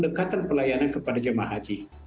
pendekatan pelayanan kepada jemaah haji